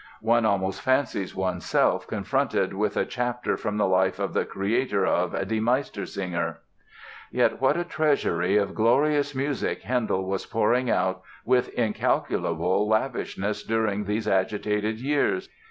One almost fancies oneself confronted with a chapter from the life of the creator of "Die Meistersinger!" Yet what a treasury of glorious music Handel was pouring out with incalculable lavishness during these agitated years!